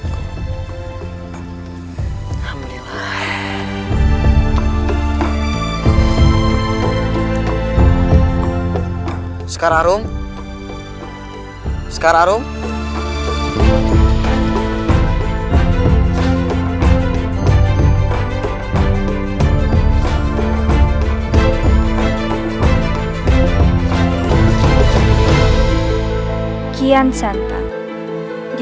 aku tidak peduli